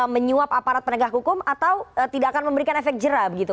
menyuap aparat penegak hukum atau tidak akan memberikan efek jerah begitu